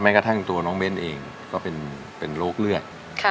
กระทั่งตัวน้องเบ้นเองก็เป็นโรคเลือด